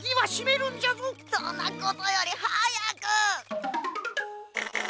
そんなことよりはやく！